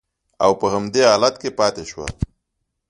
او په همدې حالت کې پاتې شوه